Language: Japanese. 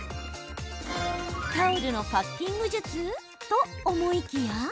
タオルのパッキング術と思いきや。